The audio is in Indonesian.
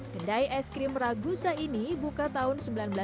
kedai es krim ragusa ini buka tahun seribu sembilan ratus delapan puluh